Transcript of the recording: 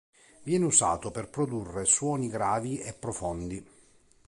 Viene usato per produrre suoni gravi e profondi.